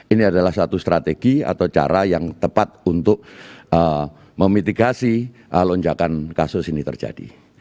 ini adalah satu strategi atau cara yang tepat untuk memitigasi lonjakan kasus ini terjadi